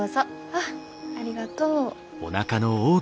あっありがとう。